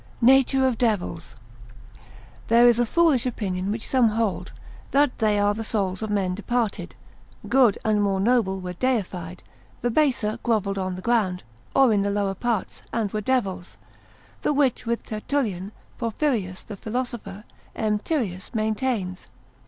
Nature of Devils.] There is a foolish opinion which some hold, that they are the souls of men departed, good and more noble were deified, the baser grovelled on the ground, or in the lower parts, and were devils, the which with Tertullian, Porphyrius the philosopher, M. Tyrius, ser. 27 maintains.